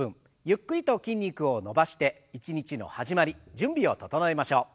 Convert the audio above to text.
ゆっくりと筋肉を伸ばして一日の始まり準備を整えましょう。